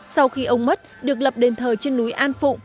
sau khi ông mất được lập đền thờ trên núi an phụng